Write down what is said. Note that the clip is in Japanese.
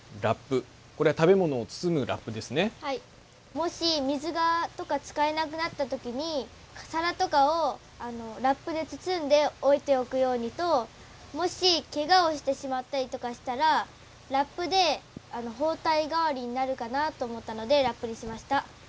もし水とか使えなくなった時に皿とかをラップで包んで置いておくようにともしケガをしてしまったりとかしたらラップで包帯代わりになるかなと思ったのでラップにしました。